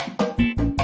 seseorang tidak punya